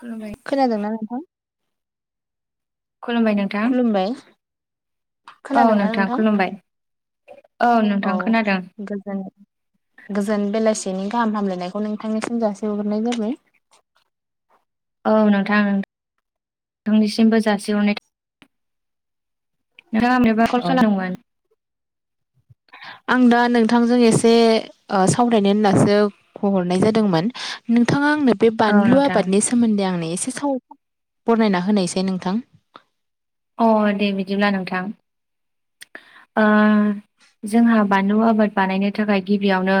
खुलुमबाय खोनादोंना नोंथां? खुलुमबाय नोंथां खुलुमबाय औ नोंथां खुलुमबाय। औ नोंथां खोनादों गोजोन गोजोन बेलासि सिनि गाहाम हामलायनायखौ नोंथांनिसिम जासि हरगोरनाय जाबाय। औ नोंथां । थांनिसिमबो जासिहरनाय औ [inaudible] [inaudible] आं दा नोंथांजों एसे ओ सावरायनो होननासो खहरनाय जादोंमोन नोंथाङा आंनो बे औ बानलु नोंथां आबादनि सोमोन्दै आंनो एसे साव बरनायना होनायसाय नोंथां। अ दे बिदिब्ला नोंथां। ओ जोंहा बानलु आबाद बानायनो थाखाय गिबियावनो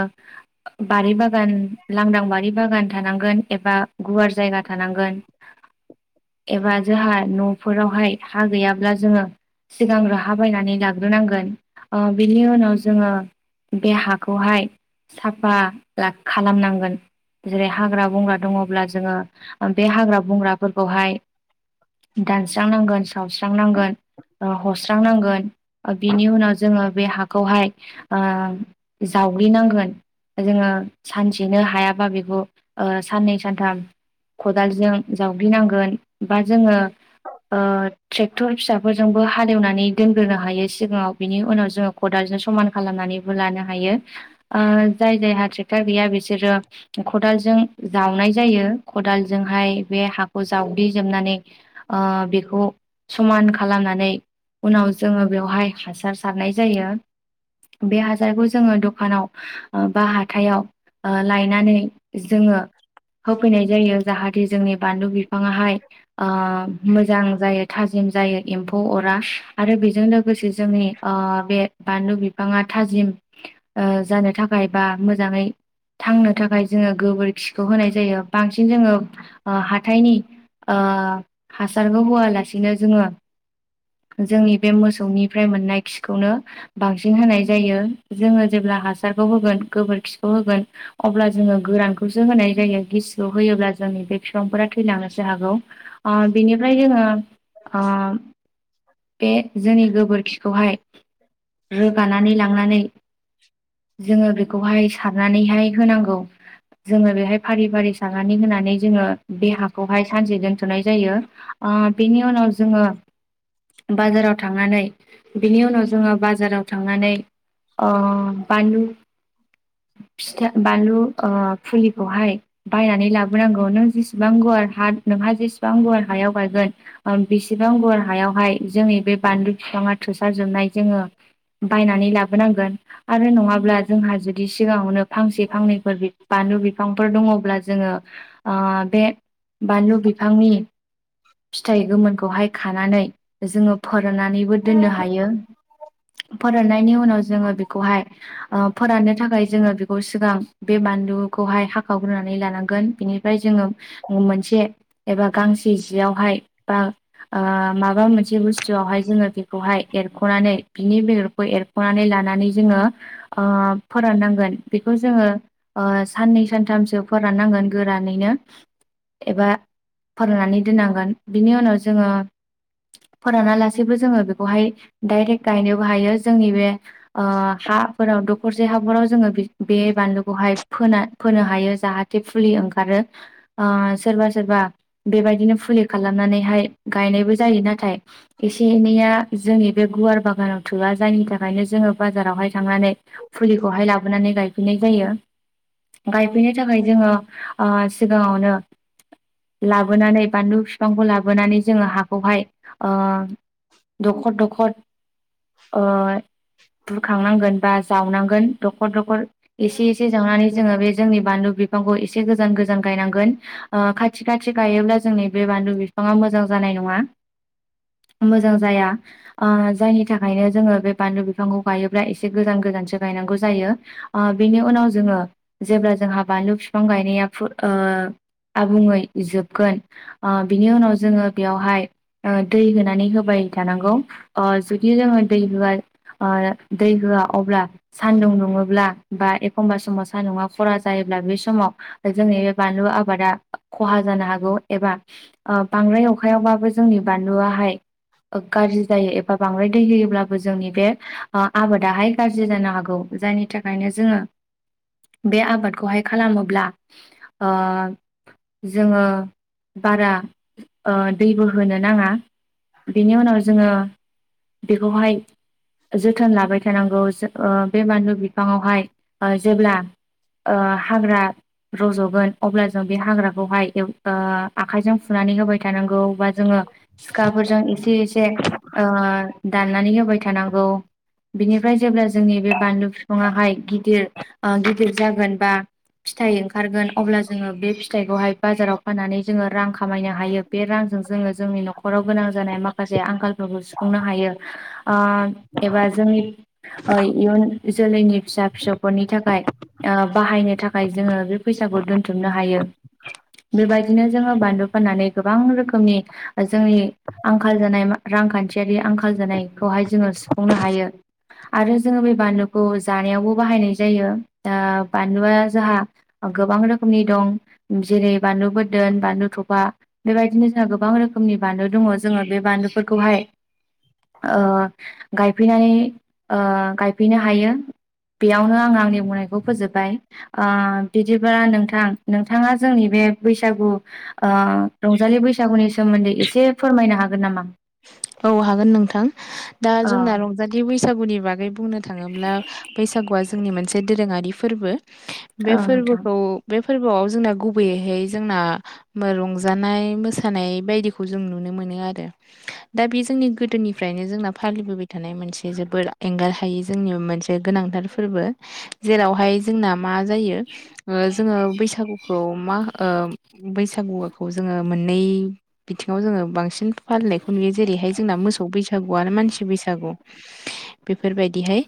बारि बागान लांदां बारि बागान थानांगोन एबा गुवार जायगा थानांगोन। [inaudible] एबा जोंहा न'फोरावहाय हा गैयाब्ला जोंङो सिगां राहा बायनानै लाग्रोनांगोन ओ बिनि उनाव जोङो बे हाखौहाय साफा ला खालामनांगोन। जेरै हाग्रा बंग्रा दंङोब्ला जोंङो बे हाग्रा बंग्राफोरखौहाय दानस्रांनांगोन सावस्रांनांगोन हस्रांनांगोन। बिनि उनाव जोंङो बे हाखौहाय जावग्लिनांगोन। जोंङो सानसेनो हायाबा बेखौ साननै सानथाम खदालजों जावग्लिनांगोन बा जोंङो ट्रेक्टर फिसाफोरजोंबो हालेवनानै दोनग्रोनो हायो सिगांङाव बिनि उनाव जोंङो खदालजों समान खालामनानै हायो जाय जायहा ट्रेक्टर गैया बिसोरो खदालजों जावनाय जायो खदालजोंहाय बे हाखौ जावगलि जोबनानै बेखौ। समान खालामनानै उनाव जोङो बेवहाय हासार सारनाय जायो। बे हासारखौ जोङो दखानाव बा हाथायाव लायनानै जोङो। होफैनाय जायो जाहाथे जोंनि बानलु बिफाङाहाय मोजां जायो थाजिम जायो एम्फौ अरा आरो बेजों लोगोसे जोंनि बे बानलु बिफाङा। थाजिम जानो थाखाय बा मोजाङै। थांनो थाखाय जोङो गोबोरखिखौ होनाय जायो बांसिन जोङो हाथाइनि हासारबो होआलासिनो जोङो। जोंनि बे मोसौनिफ्राय मोननाय खिखौनो बांसिन होनाय जायो जोङो जेब्ला। जेब्ला हासारखौ होगोन गोबोरखिखौ होगोन अब्ला जोङो गोरानखौसो होनाय जायो। गिसिखौ होयोब्ला जोंनि बे बिफांफोरा थैलांनोसो हागौ बिनिफ्राय जोङो बे जोंनि गोबोरखिखौहाय रोगानानै लांनानै। जोङो बेखौहाय सारनानैहाय होनांगौ। जोङो बेहाय फारि फारि सारनानै होनानै जोङो बे हाखौहाय सानसे दोनथ'नाय जायो। आ बिनि उनाव जोंङो। बाजाराव थांनानै बिनि उनाव जोङो बाजाराव थांनानै। आ बानलु। फिथा बानलु फुलिखौहाय बायनानै लाबोनांगौ नों जेसेबां। गुवार ह नोंहा जेसेबां गुवार हायाव गायगोन। बिसेबां गुवार हायावहाय जोंनि बे बानलु बिफाङा थोसार जोबनाय। जोङो बायनानै लाबोनांगोन आरो नङाब्ला जोंहा जुदि सिगाङावनो फांसे फांनै। बानलु बिफांफोर दङब्ला जोङो। बे बानलु बिफांनि। फिथाइ गोमोनखौहाय खानानै जोङो फोराननानैबो दोननो हायो। फोराननायनि उनाव जोङो बेखौहाय फोराननो थाखाय जोङो। खौ सिगां बे बानलुखौहाय हाखावग्रोनानै लानांगोन बेनिफ्राय जोङो मोनसे। एबा गांसे जियावहाय। बा माबा मोनसे बुस्थुआवहाय जोङो बेखौहाय एरख'नानै बिनि बेगरखौ। एरगनानै लानानै जोंङो ओ सोदांनांगोन बेखौ जोंङो साननैसो सानथामसो फोराननांगोन गोरानैनो एबा फोराननानै दोननांगोन बिनि उनाव जोङो फोरानालासेबो जोङो बेखौहाय दडायरेक्ट गायनोबो हायो। जोंनि बे हा फोराव दखरसे हाराव जोङो बे बानलुखौहाय फोना फोनो हायो जाहाथे फुलि ओंखारो। बा सोरबा सोरबा बेबायदिनो फुलि खालामनानैहाय गायनायबो जायो नाथाय एसे एनैया जोंनि बे गुवार बागानाव थोआ।् जायनि थाखायनो जोङो बाजारावहाय थांनानै फुलिखौहाय लाबोनानै गायफै गायफैनाय जायो गायफैनो थाखाय जोङो सिगाङावनो लाबोनै बानलु फिफां। बिफांखौ लाबोनानै जोङो हाखौहाय दखर दखर बुरखांनांगोन बा जावनांगोन दखर दखर एसे एसे जाहानि जोहा बे जोंनि बानलु बिफांखौ एसे गोजान गोजान गायनांगोन खाथि खाथि गायोब्ला जोंनि। बे बानलु बिफाङा मोजां जानाय नङा मोजां जाया आ जायनि थाखायनो जोङो बे बानलु बिफांखौ गायोब्ला एसे गोजान गोजान गोजानससो गायनांगौ जायो आ बिनि उनाव जोंङो जेब्ला जोंहा बानलु फिफां गायनाया [inaudible] आबुङै जोबगोन आ बिनि उनाव जोङो बेयावहाय दै होनानै होबाय थानांगौ अ जुदि जोङो दै [unintelligible] ओ दै होआ अब्ला सान्दुं दुङोब्ला बा एखमबा समाव सान्दुङा खरा जायो अब्ला बे समाव जोंनि बे बानलु आबादा खहा जानो हागौ एबा ओ बांद्राय अखायावबाबो जोंनि बानलुआहाय गाज्रि जायो एबा बांद्राय दै होयोब्लाबो जोंनि बे ओ आबादाहाय गाज्रि जानो हागौ जायनि थाखायनो जोङो बे आबादखौहाय खालामोब्ला ओ जोङो बारा ओ दैबो होनो नाङा बेनि उनाव जोङो बेखौहाय जोथोन लाबाय थानांगौ बे बानलु बिफाङावहाय जेब्ला ओ हाग्रा रज'गोन अब्ला जों बे हाग्राखौहाय एव ओ आखाइजों फुनानै होबाय थानांगौ बा जोङो सिखाफोरजों एसे एसे ओ दाननानै होबाय थानांगौ बिनिफ्राय जेब्ला जोंनि बे बानलु बिफाङाहाय गिदिर ओ गिदिर जागोन बा फिथाइ ओंखारगोन अब्ला जोङो बे फिथाइखौहाय बाजाराव फाननानै जोङो रां खामायनो हायो बे रांजों जोङो जोंनि न'खराव गोनां जानाय माखासे आंखालफोरखौ सुफुंनो हायो आ एबा जोंनि इयुन जोलैनि फिसा फिसौफोरनि था खाय ओ बाहायनो थाखाय जोङो बे फैसाखौ दोनथुमनो हायो बेबाय दिनो जोङो बानलु फाननानै गोबां रोखोमनि जोंनि आंखाल जानाय रांखान्थियारि आंखाल जानायखौहाय जोङो सुफुंनो हायो आरो जोङो बे बानलुखौ जानायावबो बाहायनाय जायो ओ बानलुआ जाहा गोबां रोखोमनि दं जेरै बानलुबो दोन बानलु थफा बेबायदिनो जोंहा गोबां रोखोमनि बानलु दङ जोङो बे बानलुफोरखौहाय ओ गायफैनानै ओ गायफैनो हायो बेयावनो आं आंनि बुंनायखौ फोजोब्बाय ओ बिदिब्ला नोंथां नोंथाङा जोंनि बे बैसो सागु ओ रंजालि बैसागुनि सोमोन्दै एसे फोरमायनो हागोन नामा? औ हागोन नोंथां दा औ जोंना रंजालि बैसागुनि बागै बुंनो थाङोब्ला बैसागुआ जोंनि मोनसे दोरोङारि फोरबो बे औ नोंथां फोरबोखौ बे फोरबोआव जोंना गुबैयैहाय जोंना रंजानाय मोसानाय बायदिखौ जों नुनो मोनो नो आरो दा बे जोंनि गोदोनिफ्रायनो जोंना फालिबोबाय थानाय मोनसे जोबोद एंगार हायै जोंनि मोनसे गोनां थाथ फोरबो जेरावहाय जोंना मा जायो जोङो बैसागुखौ मा ओ बैसागु खौ जोङो मोननै बिथिङाव जोङो बांसिन फालिनायखौ नुयो जेरैहाय जोंना मोसौ बैसागु आरो मानसि बैसागु बेफोरबायदिहाय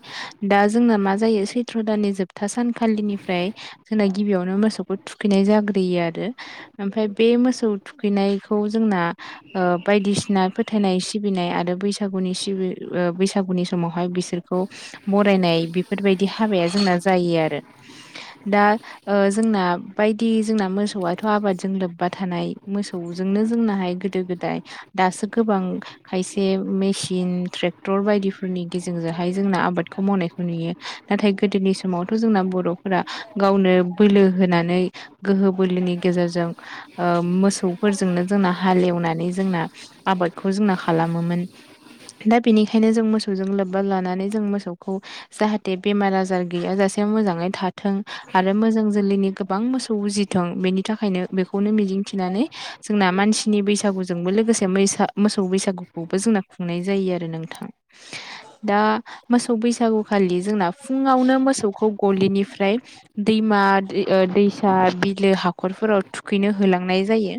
दा जोंना मा जायो सैथ्र' दाननि जोबथा सानखालिनिफ्राय जोंना गिबियावनो मोसौखौ थुखैनाय जाग्रोयो आरो ओमफाय बे मोसौ थुखैनायखौ जोंना ओ बायदिसिना फोथायनाय सिबिनाय आरो बैसागुनि सि बैसागुनि समावहाय बिसोरखौ बरायनाय बेफोरबायदि हाबाया जोंना जायो आरो दा ओ जोंना बायदि जोंना मोसौआथ' आबादजों लोब्बा थानाय मोसौजोंनो जोंनाहाय गोदो गोदाय दासो गोबां खायसे मेसिन ट्रेक्टर बायदिफोरनि गेजेरजोंहाय जोंना आबादखौ मावनायखौ नुयो नाथाय गोदोनि समावथ' जोंना बर'फोरा गावनो बोलो होना गोहो बोलोनि गेजेरजों मोसौफोरजोंनो जोंना हालेवनानै जोंना आबादखौ जोंना खालामोमोन। दा बेनिखायनो जों मोसौजों लोब्बा लानानै जों मोसौखौ जाहाथे बेमार आजार गैया जासे मोजाङै थाथों आरो मोजां जोलैनि गोबां मोसौ उजिथों बेनि थाखायनो बेखौनो मिजिं थिनानै जोंना मानसिनि बैसागु जोंबो लोगोसे मैसा मोसौ बैसागुखौबो जोंना खुंनाय जायो आरो नोंथां दा मोसौ बैसागुखालि जोंना फुङावनो मोसौखौ गलिनिफ्राय दैमा- दै ओ दैसा बिलो हाखरफोराव थुखैनो होलांनाय जायो।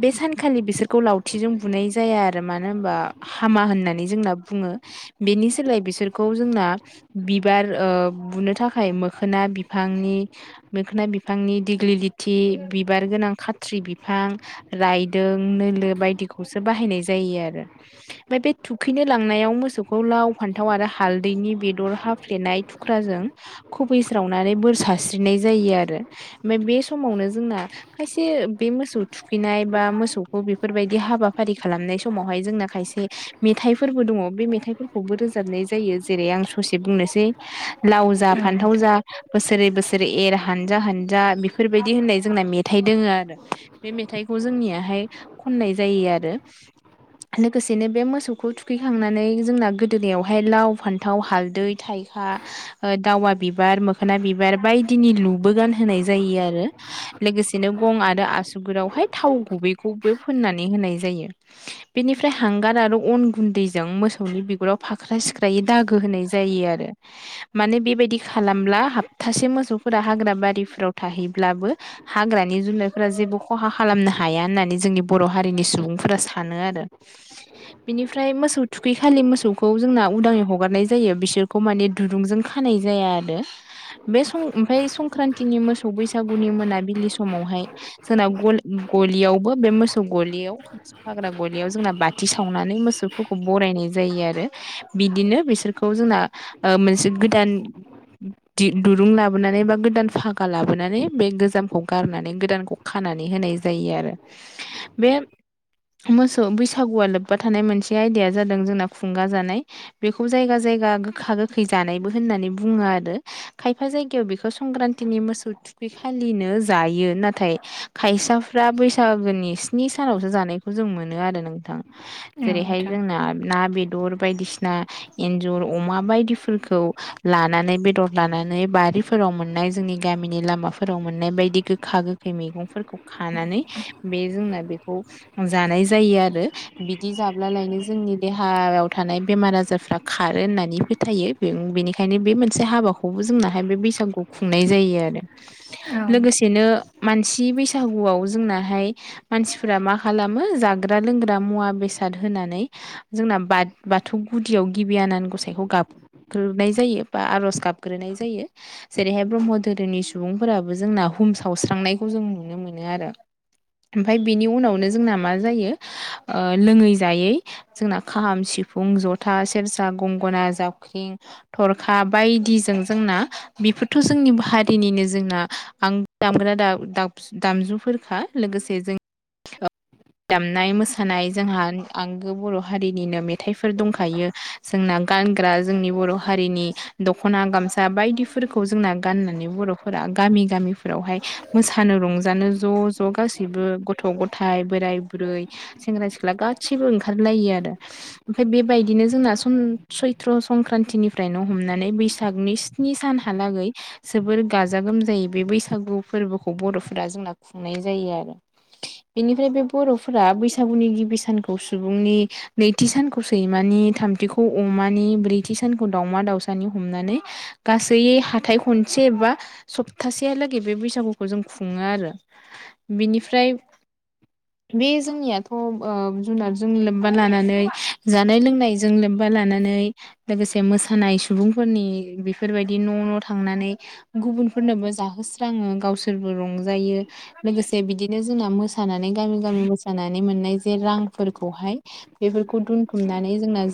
बे सानखालि बिसोर खौ लावथिजों बुनाय जाया आरो मानो होनबा हामा होननानै जोंना बुङो बेनि सोलाय बिसोरखौ जोंना बिबार ओ बुनो थाखाय मोखोना बिफांनि मो खोना बिफांनि दिग्लिलिथि बिबार गोनां खाथ्रि बिफां रायदों नोलो बायदिखौसो बाहायनाय जायो आरो ओमफ्राय बे थुखैनो लांनायाव मोसौखौ लाव फान्थाव आरो हालदैनि बेदर हाफ्लेनाय थुख्राजों खुबैस्रावनानै बोर सारस्रिनाय जायो आरो। रो ओफाय बे समावनो जोंना खायसे बे मोसौ थुखैनाय बा मोसौखौ बे फोरबायदि हाबाफारि खालामनाय समावहाय जोंना खायसे मेथाइफोरबो दङ'। बे मेथाइफोरखौबो रोजाबनाय जायो। जेरै आं ससे बुंनोसै लाव जा औ फान्थाव नोंथां जा बोसोरै बोसोरै एर हान नजा-हानजा बेफोर बायदि होननाय जोंना मेथाइ दोङो आरो बे मेथाइखौ जोंनियाहाय खननाय जायो आरो। लोगोसेनो बे मोसौखौ थुखैखांनानै जोंना गोदोनायावहाय लाव फान्थाव हालदै थाइ खा आ दावा बिबार मोखोना बिबार बायदिनि लुबो गानहोनाय जायो आरो। लोगोसेनो गं आरो आसुगदावहाय थाव गुबैखौ बो फोननानै होनाय जायो। बेनिफ्राय हांगार आरो अन गुन्दैजों मोसौनि बिगुराव फा ख्राय-सिख्रायै दागो होनाय जायो आरो माने बेबादि खालामब्ला हप्तासे मोसौफोरा हाग्रा बारिफोराव थाहैब्लाबो हाग्रानि जुनारफोरा जेबो खहा खालामनो हाया होननानै जो जोंनि बर' हारिनि सुबुंफोरा सानो आरो बिनिफ्राय मोसौ थुखैखालि मोसौखौ जोंना उदाङै हगारनाय जायो बिसोरखौ माने दुरुंजों खा खानाय जाया आरो। बे सं ओमफाय संख्रान्तिनि मोसौ बैसाग सागुनि मोना बिलि समावहाय जोंना गलि-गलियावबो बे मोसौ गलियाव मोसौ खाग्रा गलियाव जोंना बाथि सावनानै मोसौफोरखौ बरायनाय जायो आरो। बिदिनो बिसोरखौ जोंना ओ मोनसे गोदान [inaudible] दि-दुरुं लाबोनानै बा गोदान फागा लाबोनानै बे गोजामखौ गारनानै गोदानखौ खानानै होनाय जायो आरो। बे मोसौ बैसागुआ लोब्बा थानाय मोनसे आयदाया जादों जोंना खुंगा जानाय बेखौ जायगा जायगा गा गोखा-गोखै जानायबो होननानै बुङो आरो खायफा जायगायाव बेखौ संक्रान्तिनि मोसौ थुखै खालिनो जायो। नाथाय खायसाफ्रा बैसा गोनि स्नि सानावसो जानायखौ जों मोनो आरो नोंथां औ जेरैहाय नोंथां जोंना ना, बे दर बायदिसिना एन्जर, अमा बायदिफोरखौ लानानै बेदर लानानै बा बारिफोराव मोननाय जोंनि गामिनि लामाफोराव मोननाय बायदि गोखा गोखै मैगंफोरखौ खानानै बे जोंना बेखौ जानाय जायो आरो बिदि जाब्लालायनो जोंनि देहायाव था थानाय बेमार आजारफ्रा खारो होननानै फोथायो बेनिखायनो बे मोनसे हाबाखौबो जोंनाहाय बे बै बैसागुखौ खुंनाय जायो आरो। औ नोंथां लोगोसेनो मानसि बैसागुआव जोंनाहाय मानसिफोरा मा खालामो जाग्रा-लोंग्रा मुवा बेसाद होनानै जोंना बा बाथौ गुदियाव गिबि आनान गसाइखौ गाब ग्रोनाय जायो बा आर'ज गाबग्रोनाय जायो जेरैहाय ब्रह्म धोरोमनि सुबुंफोराबो जोंना बुहुम सावस्रांनायखौ जों नुनो मोनो आरो। ओमफाय बिनि उनावनो जोंना मा जायो ओ लोङै जायै जोंना खाहाम सिफुं फुं, जथा, सेरजा, गंगोन, जावख्रिं, थरखा बायदिजों जोंना बेफोरथ' जोंनि हारिनिनो जोंना आं [inaudible] दामग्रा दाम दामसु-दामजुफोरखा लोगोसे जों [inaudible] दामनाय मोसानाय जोंहा आंगो बर' हारिनिनो मेथाइफोर दंखायो जोंना गानग्रा जोंनि बर' हारिनि दख'ना गामसा बायदिफोरखौ जोंना गाननानै बर'फोरा गामि गामिफोरावहाय मोसानो रंजानो ज' ज' गासिबो गथ'-गथाय, बोराय-बुरै, सेंग्रा-सिख्ला गासैबो ओंखारलायो आरो ओमफाय बेबायदिनो जोंना सन-सैत्र संक्रान्तिनिफ्रायनो हमनानै बैसागनि स्नि सानहालागै जोबोर गाजा गोमजायै बे बैसागु फोरबोखौ बर'फोरा जोंना खु नाय जायो आरो। बेनिफ्राय बे बरफोरा बैसागुनि गिबि सानखौ सुबुंनि नैथि सानखौ सैमा थामथिखौ अमानि ब्रैथि सानखौ दाउमा दाउसानि हमनानै गासै हाथाय। खनसे बा सप्तासेलागै बे बैसागुखौ जों खुङो आरो। बिनिफ्राय बे जोंनियाथ जुनारजों लोबबा लानानै जानाय लोंनायजों लोबबा। मा लानानै लोगोसे मोसानाय सुबुंफोरनि बेफोरबायदि न न थांनानै। गुबुनफोरनोबो जाहोस्राङो गावसोरबो रंजायो। लोगोसे बिदिनो जोंना मोसानानै गामि गामि मोसानानै मोननाय जे रांफोरखौहाय। बेफोरखौ दोनथुमनानै जोंना